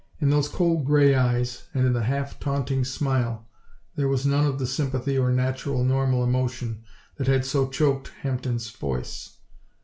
In those cold grey eyes and in the half taunting smile there was none of the sympathy or natural, normal emotion that had so choked Hampden's voice.